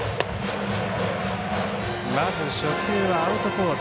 まず初球はアウトコース